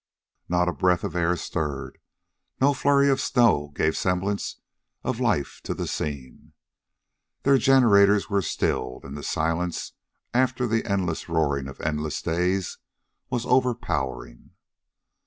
Not a breath of air stirred; no flurry of snow gave semblance of life to the scene. Their generator was stillen, and the silence, after the endless roaring of endless days, was overpowering.